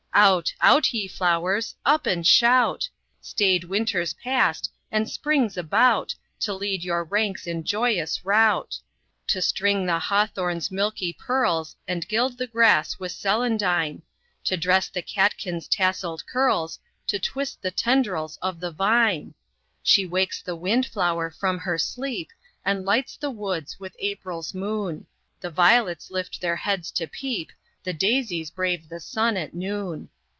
Out, out, ye flowers! Up and shout! Staid Winter's passed and Spring's about To lead your ranks in joyous rout; To string the hawthorn's milky pearls, And gild the grass with celandine; To dress the catkins' tasselled curls, To twist the tendrils of the vine. She wakes the wind flower from her sleep, And lights the woods with April's moon; The violets lift their heads to peep, The daisies brave the sun at noon.